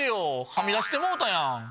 はみ出してもうたやん！